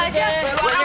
udah gak usah gue aja